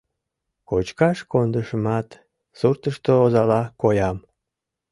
Кочкаш кондышымат, суртышто озала коям.